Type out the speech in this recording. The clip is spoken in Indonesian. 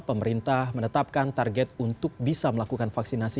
pemerintah menetapkan target untuk bisa melakukan vaksinasi